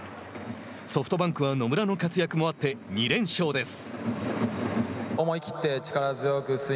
ソフトバンクは野村の活躍もあって２連勝です。